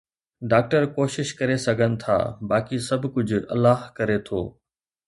doctor ڪوشش ڪري سگھن ٿا، باقي سڀ ڪجھ الله ڪري ٿو